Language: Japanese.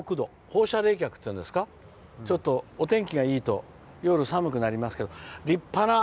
放射冷却っていうんですかちょっとお天気がいいと夜、寒くなりますけど。